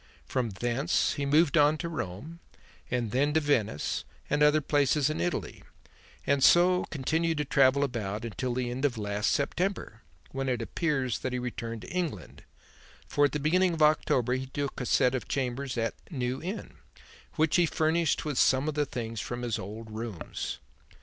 From thence he moved on to Rome and then to Venice and other places in Italy, and so continued to travel about until the end of last September, when it appears that he returned to England, for at the beginning of October he took a set of chambers in New Inn, which he furnished with some of the things from his old rooms.